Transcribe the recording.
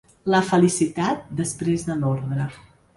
La felicitat després de l’ordre.